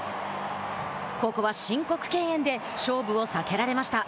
ここは申告敬遠で勝負を避けられました。